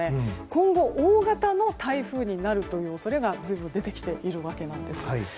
今後、大型の台風になるという恐れが随分と出てきているわけです。